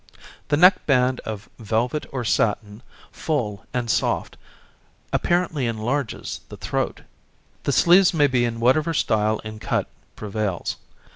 The neck band of velvet or satin, full and soft, apparently enlarges the throat. The sleeves may be in whatever style in cut prevails.